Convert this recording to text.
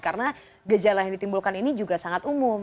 karena gejala yang ditimbulkan ini juga sangat umum